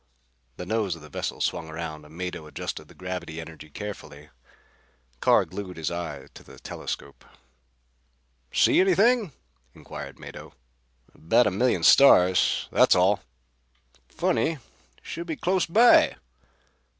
The nose of the vessel swung around and Mado adjusted the gravity energy carefully. Carr glued his eye to the telescope. "See anything?" inquired Mado. "About a million stars, that's all." "Funny. Should be close by."